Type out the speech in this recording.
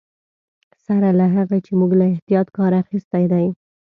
سره له هغه چې موږ له احتیاط کار اخیستی دی.